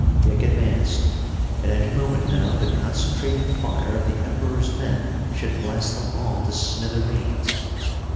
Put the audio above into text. Dick advanced. At any moment now the concentrated fire of the Emperor's men should blast them all to smithereens.